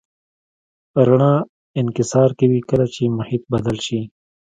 رڼا انکسار کوي کله چې محیط بدل شي.